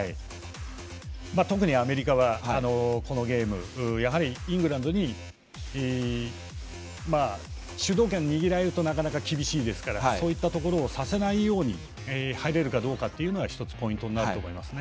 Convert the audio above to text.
特にアメリカは、このゲームやはり、イングランドに主導権を握られるとなかなか厳しいですからそういったところをさせないように入れるかどうかというのが１つ、ポイントになると思います。